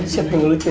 siapa yang lucu ya